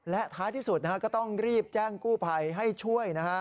และท้ายที่สุดก็ต้องรีบแจ้งกู้ภัยให้ช่วยนะฮะ